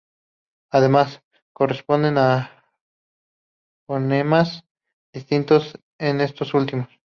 Además, corresponden a fonemas distintos de estos últimos.